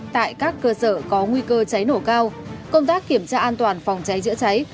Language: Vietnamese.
tại các cơ sở có nguy cơ cháy nổ cao công tác kiểm tra an toàn phòng cháy chữa cháy